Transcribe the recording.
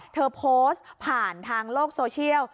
เธอโพสต์ผ่านทางโลกโซเชียล